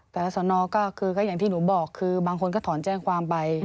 แต่สนก็คือก็อย่างที่หนูบอกคือบางคนก็ถอนแจ้งความไป